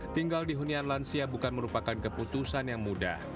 tinggal di hunian lansia bukan merupakan keputusan yang mudah